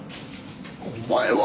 お前は！